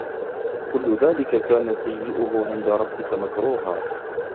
كل ذلك كان سيئه عند ربك مكروها